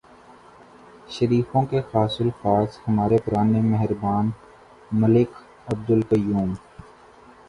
شریفوں کے خاص الخاص ہمارے پرانے مہربان ملک عبدالقیوم۔